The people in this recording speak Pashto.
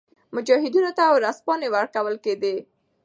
مجاهدینو ته ورځپاڼې ورکول کېدې.